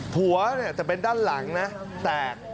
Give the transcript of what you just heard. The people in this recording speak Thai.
หัวเนี่ยแต่เป็นด้านหลังนะแตก